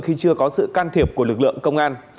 khi chưa có sự can thiệp của lực lượng công an